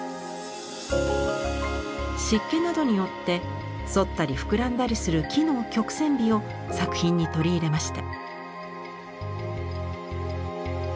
湿気などによって反ったり膨らんだりする木の曲線美を作品に取り入れました。